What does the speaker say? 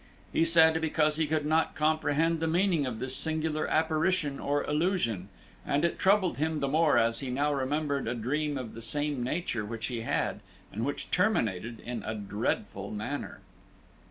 He said, because he could not comprehend the meaning of this singular apparition or illusion, and it troubled him the more as he now remembered a dream of the same nature which he had, and which terminated in a dreadful manner.